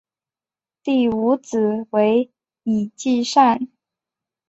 第五子为尹继善。